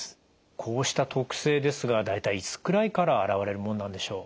こうした特性ですが大体いつくらいから現れるものなんでしょう？